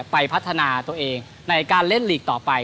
ไปพัฒนาตัวเองในการเล่นลีกต่อไป